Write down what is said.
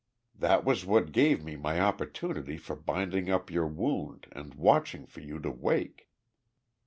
That was what gave me my opportunity for binding up your wound and watching for you to wake."